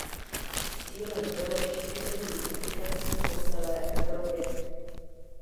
Cílem bylo šíření publikací po celé Evropě.